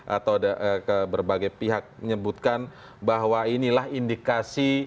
atau ke berbagai pihak menyebutkan bahwa inilah indikasi